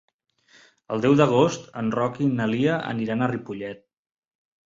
El deu d'agost en Roc i na Lia aniran a Ripollet.